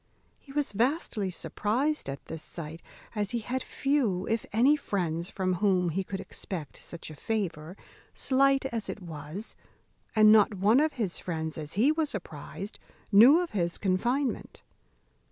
He was vastly surprized at this sight, as he had few if any friends from whom he could expect such a favour, slight as it was; and not one of his friends, as he was apprized, knew of his confinement.